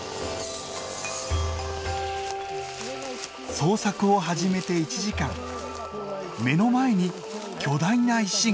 捜索を始めて１時間目の前に巨大な石が。